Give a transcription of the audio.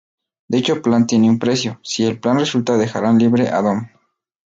Dicho plan tiene un precio, si el plan resulta dejarán libre a Dom.